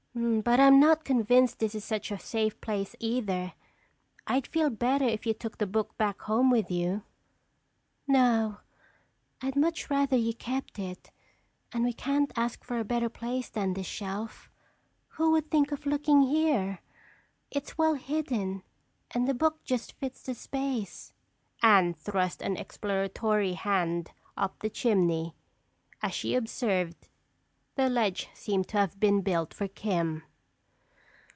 But I'm not convinced this is such a safe place either. I'd feel better if you took the book back home with you." "No, I'd much rather you kept it. And we can't ask for a better place than this shelf. Who would think of looking here? It's well hidden and the book just fits the space." Anne thrust an exploratory hand up the chimney. As she observed, the ledge seemed to have been built for "Kim."